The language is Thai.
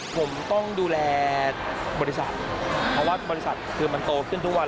ผมต้องดูแลบริษัทเพราะว่าบริษัทคือมันโตขึ้นทุกวัน